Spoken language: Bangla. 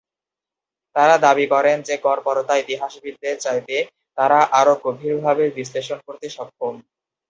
তারা দাবি করেন যে গড়পড়তা ইতিহাসবিদদের চাইতে তারা আরো গভীরভাবে বিশ্লেষণ করতে সক্ষম।